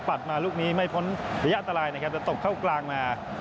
มาลูกนี้ไม่พ้นระยะอันตรายนะครับแต่ตบเข้ากลางมา